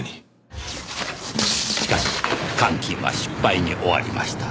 しかし換金は失敗に終わりました。